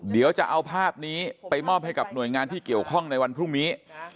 เดี๋ยวจะเอาภาพนี้ไปมอบให้กับหน่วยงานที่เกี่ยวข้องในวันพรุ่งนี้